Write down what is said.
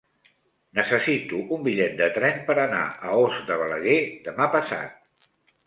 Necessito un bitllet de tren per anar a Os de Balaguer demà passat.